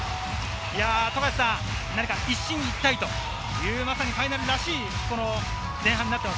何か、一進一退というか、まさか、ファイナルらしい前半となってい